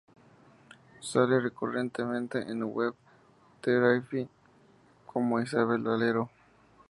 Sale recurrentemente en "Web Therapy" como Isabel Valero.